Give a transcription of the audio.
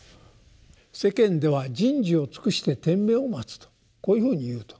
世間では「人事を尽くして天命を待つ」とこういうふうに言うと。